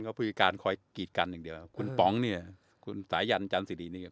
ก็คือการคอยกีดกันอย่างเดียวคุณป๋องเนี่ยคุณสายันจันสิริเนี่ย